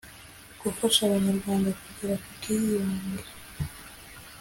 gufasha abanyarwanda kugera ku bwiyunge